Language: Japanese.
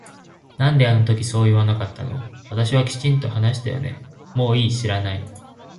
なんであの時そう言わなかったの私はきちんと話したよねもういい知らない